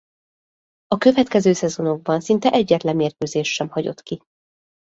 A következő szezonokban szinte egyetlen mérkőzést sem hagyott ki.